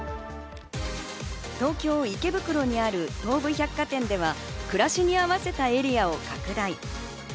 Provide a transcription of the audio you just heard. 東京・池袋にある東武百貨店では、暮らしに合わせたエリアを拡大。